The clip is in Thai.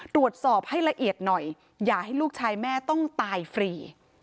ตรวจสอบให้ละเอียดหน่อยอย่าให้ลูกชายแม่ต้องตายฟรี